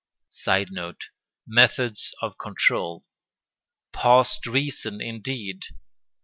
[Sidenote: Methods of control.] Past reason, indeed.